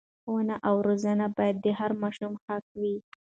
ښوونه او روزنه باید د هر ماشوم حق وي.